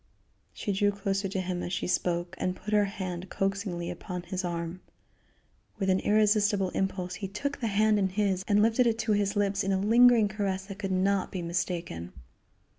She drew closer to him as she spoke and put her hand coaxingly upon his arm. With an irresistible impulse he took the hand in his and lifted it to his lips in a lingering caress that could not be mistaken.